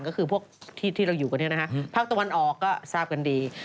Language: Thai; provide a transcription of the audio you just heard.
เลยก็คือพวกที่เราอยู่ตรวจนะฮะภาคตะวันออกก็ทราบกันดี